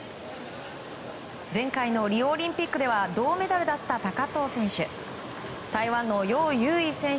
前回のリオオリンピックでは銅メダルだった高藤選手。